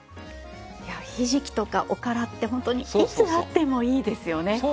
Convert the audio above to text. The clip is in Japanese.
いやひじきとかおからってホントにいつあってもいいですよね。